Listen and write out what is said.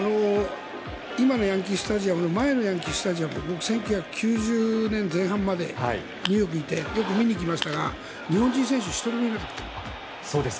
今のヤンキー・スタジアムの前のヤンキース１９９０年前半までニューヨークにいてよく見に行きましたが日本人選手、１人もいなかった。